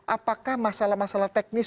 apakah masalah masalah teknis